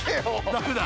ダメだ。